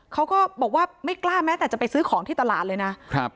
เขาก็บอกว่าไม่กล้าแม้แต่จะไปซื้อของที่ตลาดเลยนะครับ